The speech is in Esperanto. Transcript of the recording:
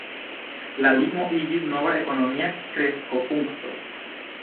La turismo iĝis nova ekonomia kreskopunkto.